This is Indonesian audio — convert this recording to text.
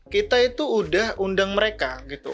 kita itu udah undang mereka gitu